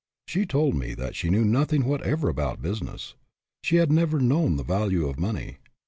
She told me that she knew nothing whatever about business. She had never known the value of money.